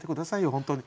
本当に。